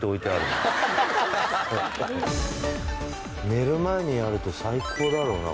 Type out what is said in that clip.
寝る前にやると最高だろうな。